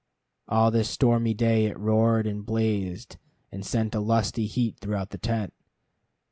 All this stormy day it roared and blazed, and sent a lusty heat throughout the tent.